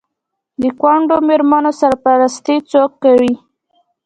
د کونډو میرمنو سرپرستي څوک کوي؟